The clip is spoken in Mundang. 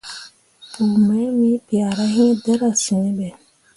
Pku mai me piahra iŋ dǝra sǝ̃ǝ̃be.